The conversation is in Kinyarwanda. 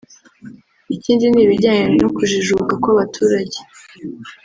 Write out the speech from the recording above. Ikindi ni ibijyanye no kujijuka kw’abaturage